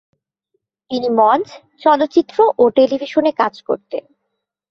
তিনি মঞ্চ, চলচ্চিত্র ও টেলিভিশনে কাজ করতেন।